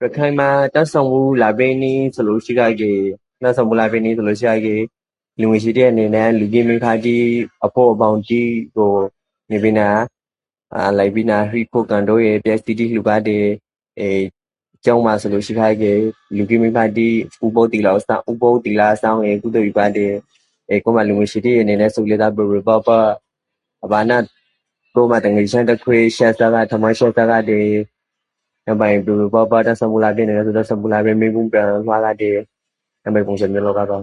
လူကြီးမိဘတိအဖိုးအဘောင်တိကိုကန်တော့ရေ၊ပစ္စည်းတိလှူကတ်တေ။ကျောင်းမှာဆိုကေလူကြီးတိဥပုသ်စောင့်ကတ်တေ။လူငယ်ချေတိကထမင်းချက်စားကတ်တေ။မီးပုံးပျံလွှတ်ကတ်ပါရေ။